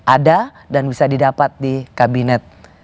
ada dan bisa didapat di kabinet